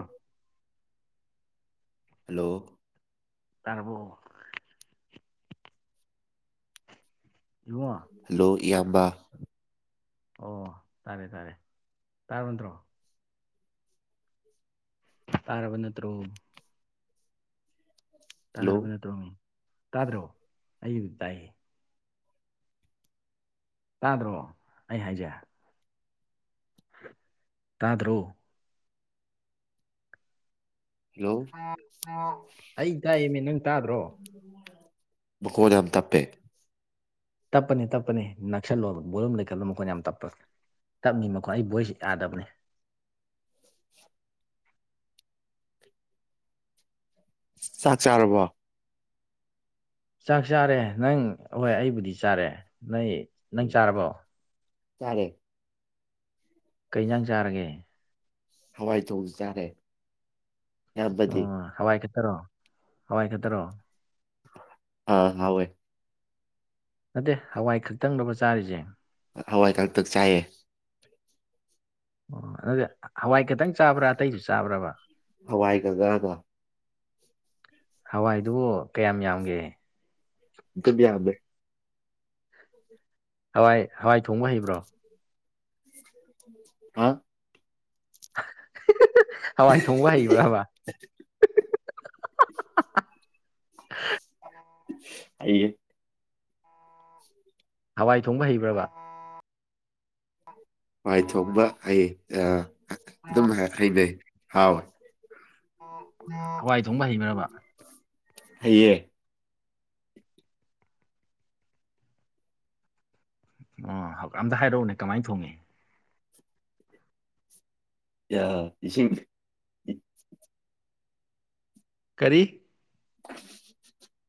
ꯑꯣ ꯍꯂꯣ ꯇꯔꯕꯣꯑꯣ ꯏꯕꯨꯉꯣ ꯍꯜꯂꯣ ꯏꯌꯥꯝꯕ ꯑꯣ ꯇꯥꯔꯦ ꯇꯥꯔꯦ ꯇꯥꯔꯕꯠꯇ꯭ꯔꯣ ꯇꯥꯔꯕ ꯅꯠꯇ꯭ꯔꯣ ꯍꯜꯂꯣ ꯇꯥꯔꯕ ꯅꯠꯇ꯭ꯔꯣꯃꯤꯡ ꯇꯥꯗ꯭ꯔꯣ ꯑꯩꯕꯨ ꯇꯥꯏꯌꯦ ꯇꯥꯗ꯭ꯔꯣ ꯑꯩ ꯍꯥꯏꯖꯦ ꯇꯥꯗ꯭ꯔꯣ ꯍꯜꯂꯣ ꯑꯩ ꯇꯥꯌꯦꯅꯦ ꯅꯪ ꯇꯥꯗ꯭ꯔꯣ ꯃꯈꫭꯟ ꯌꯥꯝ ꯇꯞꯄꯦ ꯇꯞꯄꯅꯤ ꯇꯞꯄꯅꯤ ꯅꯛꯁꯜꯂꯣ ꯕꯣꯂꯨꯝ ꯂꯩꯈꯠꯂꯣ ꯃꯈꯣꯟ ꯌꯥꯝ ꯇꯞꯄꯅꯦ ꯇꯞꯅꯤ ꯃꯈꫭꯟ ꯑꯩ ꯚꯣꯏꯁ ꯌꯥꯗꯕꯅꯦ ꯆꯥꯛ ꯆꯥꯔꯕꯣ ꯆꯥꯛ ꯆꯥꯔꯦ ꯅꯪ ꯍꯣꯏ ꯑꯩꯕꯨꯗꯤ ꯆꯥꯔꯦ ꯅꯣꯏ ꯅꯪ ꯆꯥꯔꯕꯣ ꯇꯥꯔꯦ ꯀꯩ ꯑꯦꯟꯖꯥꯡ ꯆꯥꯔꯒꯦ ꯍꯋꯥꯏ ꯊꫭꯡꯕ ꯆꯥꯔꯦ ꯑꯣ ꯏꯌꯥꯝꯕꯗꯤ ꯍꯋꯥꯏ ꯈꯠꯇꯔꯣ ꯍꯋꯥꯏ ꯈꯠꯇꯔꯣ ꯑꯥ ꯍꯣꯏ ꯅꯠꯇꯦ ꯍꯋꯥꯏ ꯈꯛꯇꯪꯗꯔꯕ ꯆꯥꯔꯤꯁꯦ ꯍꯋꯥꯏ ꯀꯥꯛꯇꯛ ꯆꯥꯏꯑꯦ ꯑꯣ ꯑꯗꯨꯗꯤ ꯍꯋꯥꯏ ꯈꯇꯪ ꯆꯥꯕ꯭ꯔꯥ ꯑꯇꯩꯁꯨ ꯆꯥꯕ꯭ꯔꯕ ꯍꯋꯥꯏꯒ ꯉꯥꯒ ꯍꯋꯥꯏꯗꯨꯕꯨ ꯀꯌꯥꯝ ꯌꯥꯝꯒꯦ ꯑꯗꯨꯗꯤ ꯌꯥꯝꯗꯦ ꯍꯋꯥꯏ ꯍꯋꯥꯏ ꯊꯣꯡꯕ ꯍꯩꯕ꯭ꯔꯣ ꯍꯥ ꯍꯋꯥꯏ ꯊꯣꯡꯕ ꯍꯩꯕ꯭ꯔꯥꯕ [inaudible] ꯍꯩꯌꯦ ꯍꯋꯥꯏ ꯊꯣꯡꯕ ꯍꯩꯕ꯭ꯔꯕ ꯍꯋꯥꯏ ꯊꯣꯡꯕ ꯍꯩ ꯑ ꯑꯗꯨꯝ ꯍꯩꯅꯩ ꯍꯥꯎꯋꯤ ꯍꯋꯥꯏ ꯊꯣꯡꯕ ꯍꯩꯕ꯭ꯔꯥꯕ ꯍꯩꯌꯦ ꯑꯣ ꯑꯝꯇ ꯍꯥꯏꯔꯛꯎꯅꯦ ꯀꯃꯥꯏ ꯊꯣꯡꯉꯤ ꯌ ꯏꯁꯤꯡ ꯀꯔꯤ [inaudible]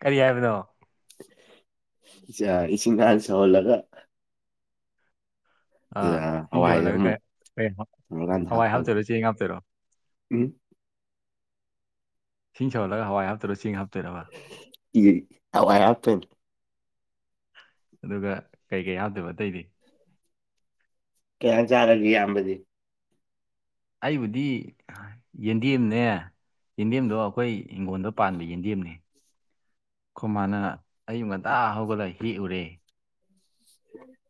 ꯀꯔꯤ ꯍꯥꯏꯕꯅꯣ ꯆ ꯏꯁꯤꯡ ꯍꯥꯟꯅ ꯁꯧꯍꯜꯂꯒ ꯑꯗꯨꯗ ꯑꯥ ꯏꯁꯤꯡ ꯍꯋꯥꯏꯖꯦ ꯁꯧꯍꯜꯂꯒ ꯑꯃꯨꯛ ꯀꯩ ꯀꯩ ꯍ- ꯁꯧꯔꯀꯥꯟꯗ ꯍꯋꯥꯏ ꯍꯥꯞꯄꯒ ꯍꯥꯞꯇꯣꯏꯔꯣ ꯆꯦꯡ ꯍꯥꯞꯇꯣꯏꯔꯣ ꯎꯝ ꯏꯁꯤꯡ ꯁꯧꯍꯜꯂꯒ ꯍꯋꯥꯏ ꯍꯥꯞꯇꯣꯏꯔꯣ ꯆꯦꯡ ꯍꯥꯞꯇꯣꯏꯔꯕ ꯏꯒꯤ ꯍꯋꯥꯏ ꯍꯥꯞꯇꫭꯏꯅꯦ ꯑꯗꯨꯒ ꯀꯩ ꯀꯩ ꯍꯥꯞꯇꫭꯏꯕ ꯑꯇꯩꯗꯤ ꯀꯩ ꯁꯥꯡ ꯆꯥꯔꯒꯦ ꯏꯌꯥꯝꯕꯗꯤ ꯑꯩꯕꯨꯗꯤ ꯌꯦꯟꯗꯦꯝꯅꯦ ꯌꯦꯟꯗꯦꯝꯗꯣ ꯑꯩꯈꯣꯏ ꯍꯤꯡꯒꯣꯜꯗ ꯄꯥꯟꯕ ꯌꯦꯟꯗꯦꯝꯅꯦ ꯑꯈꫭꯏ ꯃꯥꯅ ꯑꯌꯨꯛ ꯉꯟꯇꯥ ꯍꯧꯒꯠꯂ ꯍꯦꯛꯎꯔꯦ ꯎꯝ [unintelligible]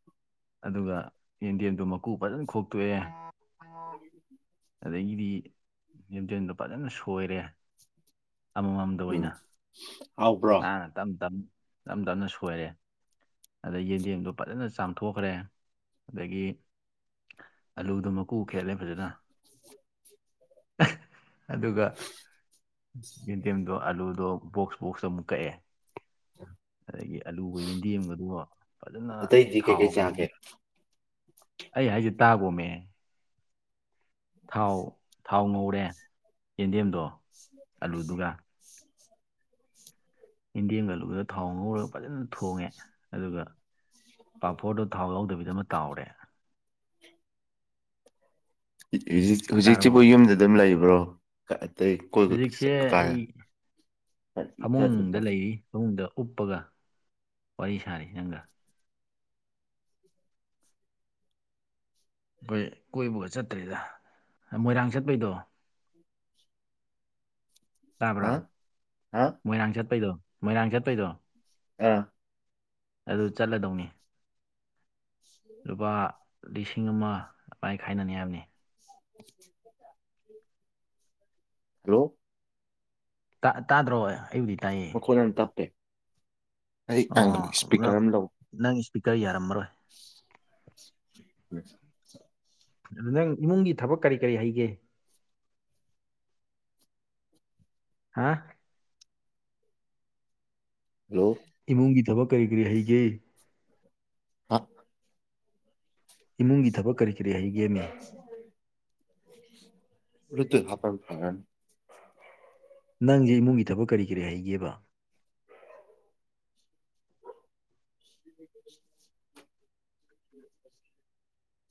ꯑꯗꯨꯒ ꯌꯦꯟꯗꯦꯝꯗꯣ ꯃꯀꯨ ꯐꯖꯅ ꯈꯣꯛꯇꯣꯛꯑꯦ ꯑꯗꯒꯤꯗꯤ ꯌꯦꯟꯗꯦꯝꯗꯣ ꯐꯖꯅ ꯁꯣꯏꯔꯦ ꯑꯃꯃꯝꯗ ꯎꯝ ꯑꯣꯏꯅ ꯍꯥꯎꯕ꯭ꯔꯣ ꯅꯥꯟꯅ ꯇꯝ ꯇꯝ ꯇꯝ ꯇꯝꯅ ꯁꯣꯏꯔꯦ ꯑꯗꯩ ꯌꯦꯟꯗꯦꯝꯗꯣ ꯐꯖꯅ ꯆꯥꯝ ꯊꯣꯛꯈ꯭ꯔꯦ ꯑꯗꯒꯤ ꯑꯂꯨꯗꯨ ꯃꯀꯨ ꯈꯦꯠꯂꯦ ꯐꯖꯅ ꯑꯗꯨꯒ ꯌꯦꯟꯗꯦꯝꯗꯣ ꯑꯥꯂꯨꯗꯣ ꯕꯣꯛꯁ ꯕꯣꯛꯁ ꯑꯃꯨꯛ ꯀꯛꯑꯦ ꯑꯗꯒꯤ ꯑꯂꯨꯒ ꯌꯦꯟꯗꯦꯝꯕꯗꯣ ꯐꯖꯅ ꯑꯇꯩꯗꯤ ꯊꯥꯎ ꯀꯩꯀꯩ ꯆꯥꯒꯦ ꯉꯧꯔꯦ꯫ ꯑꯩ ꯍꯥꯏꯖꯦ ꯇꯥꯒꯣꯃꯦ ꯊꯥꯎ ꯊꯥꯎ ꯉꯧꯔꯦ ꯌꯦꯟꯗꯦꯝꯗꯣ ꯑꯂꯨꯗꯨꯒ ꯌꯦꯟꯗꫭꯝꯒ ꯑꯂꯨꯒꯗꫭ ꯊꯥꯎ ꯉꯧꯔꯒ ꯐꯖꯅ ꯊꯣꯡꯉꯦ ꯑꯗꯨꯒ ꯄꯥꯐꯣꯔꯗꯣ ꯊꯥꯎ ꯌꯥꯎꯗꯕꯤꯗ ꯑꯃ ꯇꯥꯎꯔꯦ ꯖꯤꯛ ꯇꯥꯔꯕꯣ ꯍꯧꯖꯤꯛꯁꯤꯕꯨ ꯌꯨꯝꯗ ꯑꯗꯨꯝ ꯂꯩꯕ꯭ꯔꯣ ꯍꯧꯖꯤꯛꯁꯦ ꯑꯩ ꯐꯃꯨꯡꯗ [unintelligible] ꯂꯩꯔꯤ ꯐꯃꯨꯡꯗ ꯎꯞꯄꯒ ꯋꯥꯔꯤ ꯁꯥꯔꯤ ꯅꯪꯒ ꯑꯩꯈꯣꯏ ꯀꯣꯏꯕꯒ ꯆꯠꯇ꯭ꯔꯤꯗ ꯃꯣꯏꯔꯥꯡ ꯆꯠꯄꯩꯗꯣ ꯇꯥꯕ꯭ꯔꯣ ꯍꯥ ꯍꯥ ꯃꯣꯏꯔꯥꯡ ꯆꯠꯄꯩꯗꯣ ꯃꯣꯏꯔꯥꯡ ꯆꯠꯄꯩꯗꯣ ꯑꯥ ꯑꯗꯨ ꯆꯠꯂꯗꯧꯅꯤ ꯂꯨꯄꯥ ꯂꯤꯁꯤꯡ ꯑꯃ ꯑꯗꯨꯃꯥꯥ ꯈꯥꯏꯅꯅꯤ ꯍꯥꯏꯕꯅꯦ ꯍꯜꯂꯣ ꯇꯥ ꯇꯥꯗ꯭ꯔꯣ ꯑꯩꯕꯨꯗꯤ ꯇꯥꯏꯌꯦ ꯃꯈꯣꯟ ꯌꯥꯝ ꯇꯞꯄꯦ ꯑꯩ ꯑꯣ ꯅꯪ ꯏꯁꯄꯤꯀꯔ ꯑꯃ ꯂꯧ ꯅꯪ ꯏꯁꯄꯤꯀꯔ ꯌꯥꯔꯝꯃꯔꯣꯏ [inaudible] ꯑꯗꯨ ꯅꯪ ꯏꯃꯨꯡꯒꯤ ꯊꯕꯛ ꯀꯔꯤ ꯀꯔꯤ ꯍꯩꯒꯦ ꯍꯥ ꯍꯜꯂꯣ ꯏꯃꯨꯡꯒꯤ ꯊꯕꯛ ꯀꯔꯤ ꯀꯔꯤ ꯍꯩꯒꯦ [unintelligible] ꯏꯃꯨꯡꯒꯤ ꯊꯕꯛ ꯀꯔꯤ ꯀꯔꯤ ꯍꯩꯒꯦꯃꯤ [unintelligible] ꯅꯪꯁꯦ ꯏꯃꯨꯡꯒꯤ ꯊꯕꯛ ꯀꯔꯤ ꯀꯔꯤ ꯍꯥꯏꯒꯦꯕ [unintelligible] [unintelligible]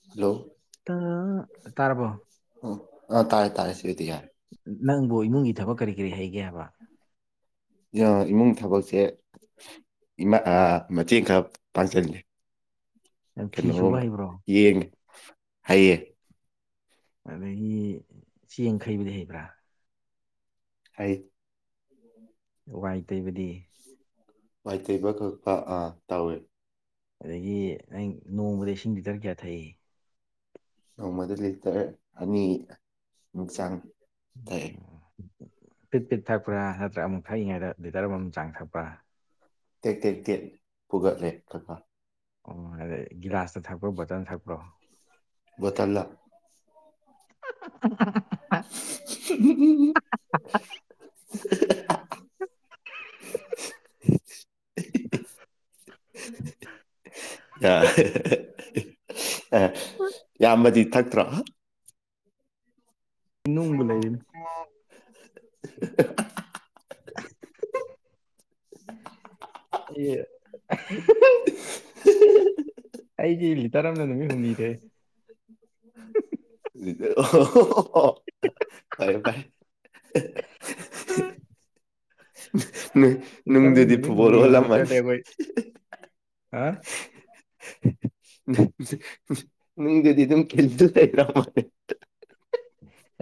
ꯍꯜꯂꯣ ꯑ ꯇꯥꯔꯕꯣ ꯑ ꯇꯥꯔꯦ ꯇꯥꯔꯦ ꯁꯗꯤ ꯌꯥꯔꯦ ꯅꯪꯕꯨ ꯏꯃꯨꯡꯒꯤ ꯊꯕꯛ ꯀꯔꯤ ꯀꯔꯤ ꯍꯩꯒꯦ ꯍꯥꯏꯕ ꯏꯃꯨꯡ ꯊꯕꯛꯁꯦ ꯏꯃꯥ ꯃꯇꯦꯡ ꯈꯔ ꯄꯥꯡꯆꯂꯦ ꯅꯪ ꯐꯤ ꯀꯩꯅꯣ ꯁꯨꯕ ꯍꯩꯕ꯭ꯔꯣ ꯌꯦꯡꯉꯦ ꯍꯩꯌꯦ ꯑꯗꯒꯤ ꯆꯦꯡ ꯍꯩꯕꯗꯤ ꯍꯩꯕ꯭ꯔꯥ ꯍꯥꯏ ꯥꯋꯥꯏ ꯇꯩꯕꯗꯤ ꯋꯥꯏ ꯇꯩꯕ ꯈꯛꯇ ꯑꯥ ꯇꯧꯋꯦ ꯑꯗꯒꯤ ꯅꯪ ꯅꯣꯡꯃꯗ ꯏꯁꯤꯡ ꯂꯤꯇꯔ ꯀꯌꯥ ꯊꯛꯏ ꯅꯣꯡꯃꯗ ꯂꯤꯇꯔ ꯑꯅꯤ ꯆꯥꯡ ꯊꯛꯑꯦ ꯄꯤꯠ ꯄꯤꯠ ꯊꯛꯄ꯭ꯔꯥ ꯅꯠꯇ꯭ꯔꯒ ꯑꯃꯨꯛ ꯊꯛꯏꯉꯩꯗ ꯂꯤꯇꯔ ꯑꯃꯃꯝ ꯆꯥꯡ ꯊꯛꯄ꯭ꯔꯥ ꯇꯦꯛ ꯇꯦꯛ ꯇꯦꯛ ꯄꯨꯒꯠꯂꯦ [unintelligible] ꯑꯣ ꯑꯗꯩ ꯒꯤꯂꯥꯁꯇ ꯊꯛꯄ꯭ꯔꯣ ꯕꯇꯜ ꯊꯛꯄ꯭ꯔꯣ ꯕꯣꯇꯜꯗ [unintelligible] [unintelligible] [unintelligible] ꯌꯥ ꯑꯦ ꯌꯥꯝꯕꯗꯤ ꯊꯛꯇ꯭ꯔꯣ ꯅꯨꯡꯕꯨ ꯂꯩꯔꯤꯅꯤ ꯍꯤ ꯌꯦ [unintelligible] ꯑꯩꯗꯤ ꯂꯤꯇꯔ ꯑꯃꯅ ꯅꯨꯃꯤꯠ ꯍꯨꯝꯅꯤꯗꯦ [unintelligible] ꯇ ꯄꯥꯏꯦ ꯍ ꯏꯇꯅ ꯅꯨꯡꯗꯨꯗꯤ ꯍꯅꯤ ꯐꯨꯠꯕꯣꯜ ꯍꯨꯅꯤ ꯍꯅꯤ ꯆ ꯑꯣꯜꯂꯝꯃꯅꯤ ꯇꯕ ꯍꯥ ꯅꯅꯨꯡꯗꯨꯗꯤ ꯑꯗꯨꯝ ꯈꯤꯜꯁꯨ ꯂꯩꯔꯝꯃꯣꯅꯦ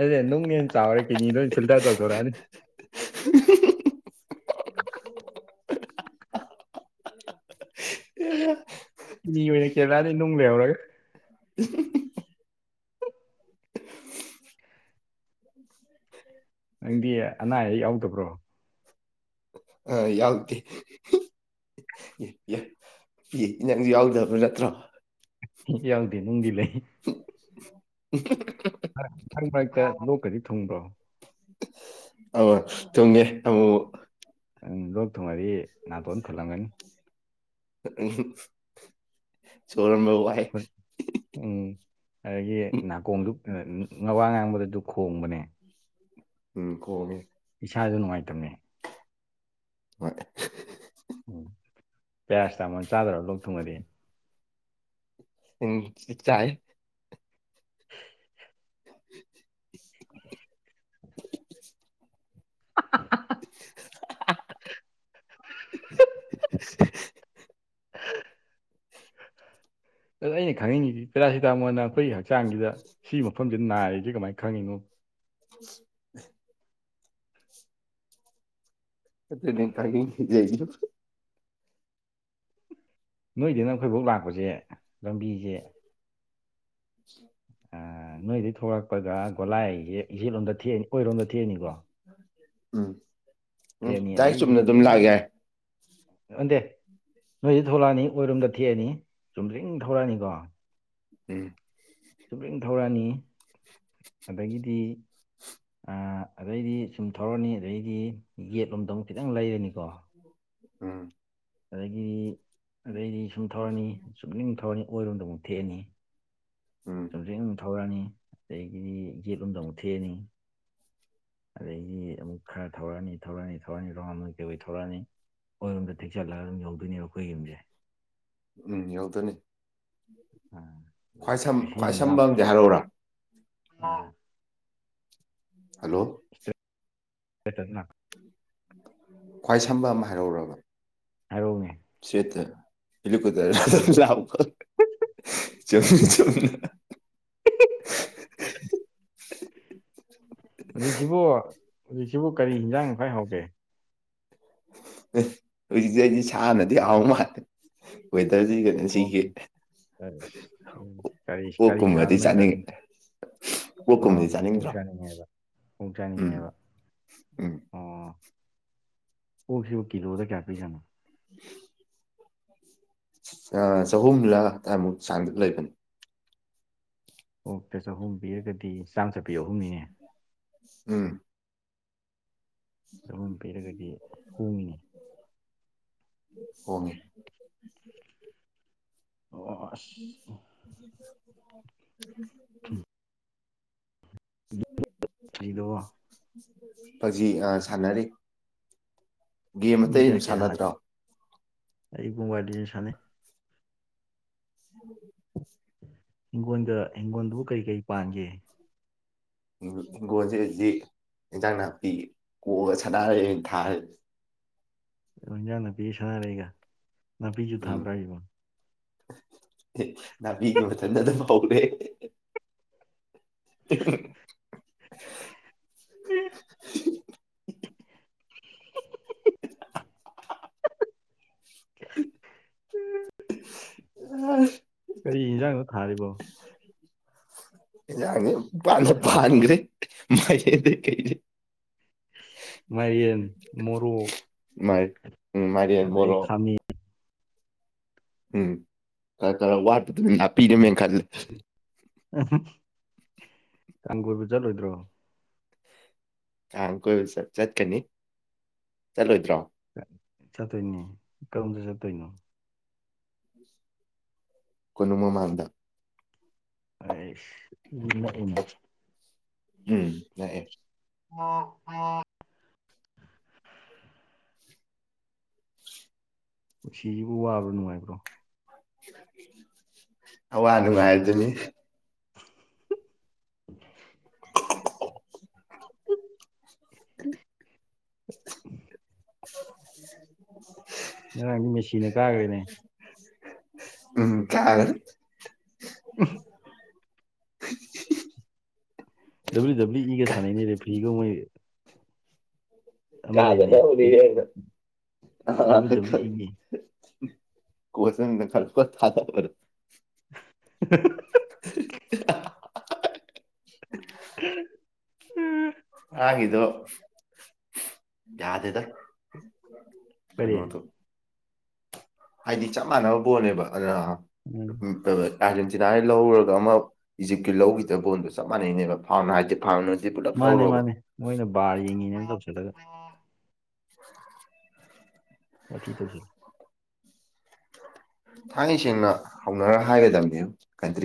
ꯑꯗꯦ ꯅꯪꯦꯟ ꯆꯥꯎꯔ ꯀꯅꯤ ꯏ ꯐꯤꯜꯇꯔ ꯇꯧ ꯇꯧꯔꯥꯅꯤ ꯎ ꯃꯤ ꯑꯣꯏꯅ ꯀꯦꯔꯂꯥꯗꯤ ꯅꯨꯡ ꯂꯩꯍꯧꯔꯒꯦ ꯎ [unintelligible] ꯅꯪꯗꯤ ꯑꯅꯥ ꯑꯌꯦꯛ ꯌꯥꯎꯗꯕ꯭ꯔꯣ ꯑ ꯌꯥꯎꯗꯤꯦ ꯑꯦ ꯄꯤ ꯏꯅꯪꯁꯨ ꯌꯥꯎꯗꯕ꯭ꯔꯥ ꯅꯠꯇ꯭ꯔꯣ ꯌꯥꯎꯗꯦ ꯅꯨꯡꯗꯤ ꯂꯩ [unintelligible] ꯃꯔꯛ ꯃꯔꯛꯇ ꯂꯣꯛꯀꯗꯤ ꯊꯨꯡꯕ꯭ꯔꯣ ꯑꯥ ꯊꯨꯡꯉꯦ ꯑꯃꯨ ꯃꯨꯛ ꯎꯝ ꯂꯣꯛ ꯊꯨꯡꯉꯗꯤ ꯅꯥꯇꯣꯟ ꯐꯨꯜꯂꯝꯒꯅꯤ ꯁꯣꯔ ꯍꯣꯟꯕ ꯋꯥꯏ ꯍꯣꯏ ꯎꯝ ꯑꯗꯒꯤ ꯅꯥꯀꯣꯡꯗꯨ ꯉꯋꯥ ꯉꯥꯡꯕꯗꯗꯨ ꯈꯣꯡꯕꯅꯦ ꯎꯝ ꯈꯣꯡꯉꯤ ꯏꯁꯥꯖꯨ ꯅꯨꯡꯉꯥꯏꯇꯕꯅꯤ ꯍꯣꯏ ꯎꯝ ꯄꯦꯔꯥ ꯁꯤꯇꯥꯃꯣꯜ ꯆꯥꯗ꯭ꯔ ꯂꯣꯛ ꯊꯨꯡꯉꯗꯤ ꯎꯝ ꯆꯥꯏ [inaudible] [unintelligible] [unintelligible] ꯑꯗ ꯑꯩꯅ ꯈꯪꯅꯤꯡꯉꯤꯖꯤ ꯄꯦꯔꯥꯁꯤꯇꯥꯃꯣꯜꯅ ꯑꯩꯈꯣꯏꯒꯤ ꯍꯛꯆꯥꯡꯖꯤꯗ ꯁꯤ ꯃꯐꯝꯖꯤꯗ ꯅꯥꯔꯤꯖꯦ ꯀꯃꯥꯏꯅ ꯈꯪꯉꯤꯅꯣ [unintelligible] ꯑꯗꯨꯅꯦ ꯈꯪꯅꯤꯡꯉꯤꯖꯦ ꯑꯩꯖꯨ ꯅꯣꯏꯗꯩꯅ ꯑꯩꯈꯣꯏꯕꯥꯎ ꯂꯥꯛꯄꯖꯦ ꯂꯝꯕꯤꯖꯦ ꯑꯥ ꯅꯣꯏꯗꯒꯤ ꯊꯣꯛꯂꯛꯄꯒ ꯒꯣꯂꯥꯏꯖꯦ ꯌꯦꯠꯂꯣꯝꯗ ꯊꯦꯛꯑꯅꯤ ꯑꯣꯏꯔꯣꯝꯗ ꯊꯦꯛꯑꯅꯤꯀꯣ ꯎꯝ ꯎꯝ ꯗꯥꯏ ꯆꯨꯝꯅ ꯑꯗꯨꯝ ꯂꯥꯛ ꯌꯥꯏ ꯑꯣꯟꯗꯦ ꯅꯣꯏꯗꯩ ꯊꯂꯛꯑꯅꯤ ꯑꯣꯏꯔꯣꯝꯗ ꯊꯦꯛꯑꯅꯤ ꯆꯨꯝꯗꯔꯤꯡ ꯊꯧꯔꯛꯑꯅꯤꯀꯣ ꯎꯝ ꯆꯨꯝꯗꯔꯤꯡ ꯊꯧꯔꯥꯅꯤ ꯑꯗꯒꯤꯗꯤ ꯑꯥ ꯑꯗꯩꯗꯤ ꯁꯨꯝ ꯊꯧꯔꯅꯤ ꯑꯗꯩꯗꯤ ꯌꯦꯒꯦꯠꯂꯣꯝꯗ ꯑꯃꯨꯛ ꯈꯤꯇꯪ ꯂꯩꯔꯅꯤꯀꯣ ꯑꯝ ꯑꯗꯒꯤꯗꯤ ꯑꯗꯩꯗꯤ ꯁꯨꯝ ꯊꯧꯔꯅꯤ ꯆꯨꯞꯅꯤꯡ ꯊꯧꯔꯅꯤ ꯑꯣꯏꯔꯣꯝꯗ ꯑꯃꯨꯛ ꯊꯦꯛꯑꯅꯤ ꯎꯝ ꯆꯨꯝꯗꯔꯤꯡ ꯑꯗꯨ ꯊꯧꯔꯛꯑꯅꯤ ꯑꯗꯒꯤꯗꯤ ꯌꯦꯠꯂꯣꯝꯗ ꯑꯃꯨꯛ ꯊꯦꯛꯑꯅꯤ ꯑꯗꯒꯤ ꯑꯃꯨꯛ ꯈꯔ ꯊꯧꯔꯛꯑꯅꯤ ꯊꯧꯔꯛꯑꯅꯤ ꯊꯧꯔꯛꯑꯅꯤ ꯔꯥꯎꯟ ꯑꯣꯏ ꯀꯩꯑꯣꯏ ꯊꯧꯔꯛꯑꯅꯤ ꯑꯣꯏꯔꯣꯝꯗ ꯊꯦꯛꯆꯠꯂꯒ ꯑꯗꯨꯝ ꯌꯧꯗꯣꯏꯅꯦꯕ ꯑꯩꯈꯣꯏ ꯌꯨꯝꯖꯦ ꯎꯝ ꯌꯥꯎꯗꯣꯏꯅꯤ ꯑꯥ ꯈ꯭ꯋꯥꯏ ꯑꯗꯨꯗꯤ ꯁꯝ ꯀꯩꯁꯨ ꯈ꯭ꯋꯥꯏ ꯌꯥꯝ ꯁꯝꯕ ꯂꯥꯞ ꯑꯝꯗꯤ ꯍꯥꯏꯔꯛꯑꯣꯔꯥ [inaudible] ꯍꯜꯂꯣ [unintelligible] ꯈ꯭ꯋꯥꯏ ꯁꯝꯕ ꯑꯃ ꯍꯥꯏꯔꯧꯔꯕ ꯍꯥꯏꯔꯧꯅꯦ ꯆꯦꯠꯇꯥ ꯍꯦꯂꯤꯀꯨꯇꯔꯗ ꯂꯥꯛꯄ ꯆꯨꯝꯗꯤꯡ ꯆꯨꯝꯅ ꯍꯧꯖꯤꯛꯁꯤꯕꯨ ꯍꯧꯖꯤꯛꯁꯤꯕꯨ ꯀꯔꯤ ꯍꯟꯖꯥꯡꯅ ꯈꯥꯏ ꯍꯧꯒꯦ ꯍꯧꯖꯤꯛꯁꯦ ꯑꯩꯗꯤ ꯁꯥꯟꯅꯗꯤ ꯍꯥꯎ ꯃꯥꯜꯂꯦ ꯋꯦꯗꯔꯖꯤ ꯀꯩꯅꯣ ꯑꯣ ꯑꯁ ꯀꯔꯤ ꯀꯔꯤ ꯁꯥꯥꯟꯅꯣ ꯑꯣꯛꯀꯨꯝꯕꯗꯤ ꯅꯪ ꯆꯥꯅꯤꯡ ꯆꯥꯅꯤꯡꯉꯦ ꯑꯥ ꯑꯣꯛꯀꯨꯝꯕꯗꯤ ꯑꯣꯛ ꯆꯥꯅꯤꯡꯗ꯭ꯔꯣ ꯆꯥꯅꯤꯡꯉꯦꯕ ꯑꯣꯛ ꯎꯝ ꯆꯥꯅꯤꯡꯉꯦꯕ ꯎꯝ ꯑꯣ ꯑꯣꯛ ꯁꯤꯕꯨ ꯀꯤꯂꯣꯗ ꯀꯌꯥ ꯄꯤꯖꯥꯅꯣ [inaudible] ꯑꯥ ꯆꯍꯨꯝꯂꯥ ꯑꯗꯥꯏꯃꯨꯛ ꯆꯥꯡꯗ ꯂꯩꯕꯅꯤ ꯑꯣꯛꯇ ꯆꯍꯨꯝ ꯄꯤꯔꯒꯗꯤ ꯆꯥꯝ ꯆꯠꯄꯤ ꯑꯍꯨꯝꯅꯤꯅꯦ ꯎꯝ ꯆꯥꯍꯨꯝ ꯄꯤꯔꯒꯗꯤ ꯍꯣꯡꯉꯤꯅꯦ ꯍꯣꯡꯉꯦ ꯑꯣ ꯑꯁ [unintelligible] [unintelligible] ꯐꯖꯤ ꯁꯥꯟꯅꯔꯤ ꯒꯦꯝ ꯑꯇꯩ ꯑꯗꯨꯝ ꯃꯤꯖꯀꯦ ꯑꯍ ꯁꯥꯟꯅꯗ꯭ꯔꯣ ꯑꯩ ꯨꯡꯕ ꯑꯗꯨꯅ ꯁꯅ ꯎꯝ ꯍꯤꯡꯒꯣꯜꯗ ꯍꯤꯡꯒꯣꯜꯗꯨꯕꯨ ꯀꯔꯤ ꯀꯩ ꯄꯥꯟꯒꯦ ꯍꯤꯡꯒꯣꯜꯁ ꯍꯧꯖꯤꯗꯤ ꯏꯟꯖꯥꯡ ꯅꯥꯄꯤ ꯀꯣꯛꯑꯒ ꯁꯥꯗꯥꯔꯦ ꯊꯥꯔ ꯏꯟꯖꯥꯡ ꯅꯥꯄꯤꯒ ꯁꯥꯟꯅꯥꯔꯛꯏꯒ ꯅꯥꯄꯤꯁꯨ ꯊꯥꯕ꯭ꯔꯥ ꯏꯕꯣ ꯃꯤꯒꯤ ꯃ ꯃꯇꯝ ꯅ ꯑꯗꯨꯝ ꯄꯥꯎꯔꯦ [unintelligible] [unintelligible] [unintelligible] ꯀꯔꯤ ꯌꯦꯟꯖꯥꯡꯅꯣ ꯊꯥꯔꯤꯕꯣ [unintelligible] ꯃꯥꯏꯔꯦꯟ ꯃꯣꯔꯣꯛ ꯎꯝ ꯃꯥꯏꯔꯥꯟ ꯑꯗꯩ ꯃꯣꯔꯣꯛ ꯈꯥꯃꯦꯟ ꯎꯝ ꯈꯔ ꯈꯔ ꯋꯥꯠꯄꯗꯨꯅꯤ ꯂꯥꯛꯄꯤꯔꯝꯃꯦꯅ ꯈꯜꯂꯦ ꯀꯥꯡ ꯀꯣꯏꯕ ꯆꯠꯂꯣꯏꯗ꯭ꯔꯣ ꯊꯥꯡ ꯀꯣꯏ ꯆ ꯆꯠꯀꯅꯤ ꯆꯠꯂꯣꯏꯗ꯭ꯔꯣ ꯆꯠꯇꯣꯏꯅꯦ ꯀꯔꯝꯁꯨ ꯆꯠꯇꯣꯏꯅꯣ ꯀꯣꯅꯨꯡ ꯃꯃꯥꯡꯗ ꯑ ꯏ ꯏꯅꯦ ꯎꯝ ꯑꯦ ꯑꯦ [unintelligible] ꯅꯨꯡꯁꯤꯁꯤꯕꯨ ꯋꯥꯕ꯭ꯔꯥ ꯅꯨꯡꯉꯥꯏꯕ꯭ꯔꯣ ꯑ ꯋꯥꯅꯅꯨꯡꯉ ꯍꯥꯏꯔꯗꯨꯅꯤ [inaudible] [inaudible] [inaudible] ꯉꯔꯥꯡꯗꯤ ꯃꯦꯆꯤꯟꯅ ꯀꯥꯈ꯭ꯔꯦꯅꯦ ꯎꯝ ꯀꯒꯅꯤ ꯎ ꯗꯕ꯭ꯂꯤꯎ ꯗꯕ꯭ꯂꯤꯎ ꯏꯒꯥꯟꯅꯩꯅꯤꯅꯦ ꯔꯦ ꯐꯤꯒ ꯃꯣꯏ ꯑꯃ ꯀꯥꯗꯅ ꯂꯩꯕꯅꯦ ꯑꯣꯔꯤꯅ ꯑ ꯗꯕ꯭ꯂꯤꯎ ꯗꯕ꯭ꯂꯤꯎ ꯏꯒꯤ ꯀꯣꯁꯟ ꯈꯔꯄ ꯊꯥꯔ [inaudible] [unintelligible] ꯎꯝ ꯍꯥꯏꯣ ꯌꯥꯎꯗꯦꯗ ꯀꯔꯤ ꯀꯩꯅꯣꯗꯨ ꯍꯥꯏꯗꯤ ꯆꯞ ꯃꯥꯟꯅꯕ ꯕꯣꯜꯅꯦꯕ ꯑ ꯎꯝ ꯎ ꯑꯥꯔꯖꯦꯟꯇꯤꯅꯥꯒꯤ ꯂꯧꯔꯒ ꯑꯃ ꯏꯖꯤꯞꯀꯤ ꯂꯧꯈꯤꯗꯕ ꯕꯣꯟꯗꯣ ꯆꯞ ꯃꯥꯟꯅꯩꯅꯦꯕ ꯐꯥꯔ ꯍꯥꯏꯗꯤ ꯐꯥꯔꯃꯅꯔꯁꯦ ꯄꯨꯂꯞ ꯃꯥꯅꯦ ꯂꯧꯔꯣꯕ ꯃꯥꯅꯦ ꯃꯣꯏꯅ ꯕꯥꯔ ꯌꯦꯡꯉꯤꯅꯦꯅ ꯇꯧꯁꯤꯜꯂꯒ [inaudible] ꯋꯥꯊꯤ ꯇꯧꯁꯜꯂꯨ ꯊꯥꯏꯅ ꯁꯦꯡꯅ ꯍꯧꯅꯔ ꯍꯥꯏꯒꯗꯕꯅꯦ ꯀꯟꯇ꯭ꯔꯤ